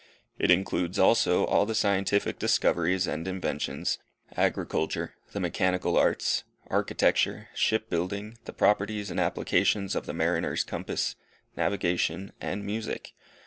It includes, also, all the scientific discoveries and inventions agriculture, the mechanical arts, architecture, shipbuilding, the properties and applications of the mariner's compass, navigation, and music.